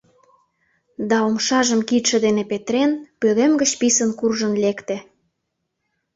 — Да, умшажым кидше дене петырен, пӧлем гыч писын куржын лекте.